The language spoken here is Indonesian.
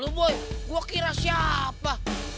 wah lo boy gua kira siapa